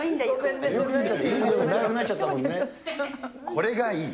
これがいい。